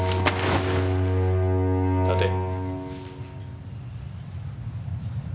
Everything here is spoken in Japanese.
立て。